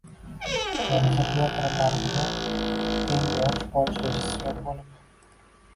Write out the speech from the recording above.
“Hamza” teatri tarixida eng yosh bosh rejissyor bo‘lib